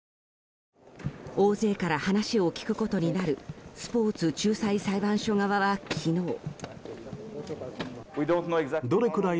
大勢から話を聞くことになるスポーツ仲裁裁判所側は昨日。